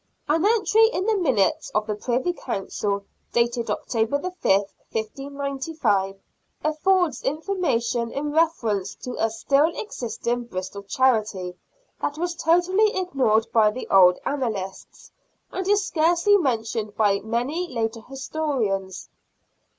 An entry in the minutes of the Privy Council, dated October 5th, 1595, affords information in reference to a still existing Bristol charity that was totally ignored by the old annalists, and is scarcely mentioned by many later historians.